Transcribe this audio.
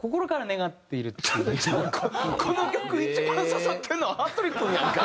この曲一番刺さってるのははっとり君やんか。